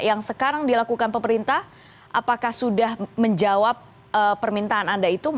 yang sekarang dilakukan pemerintah apakah sudah menjawab permintaan anda itu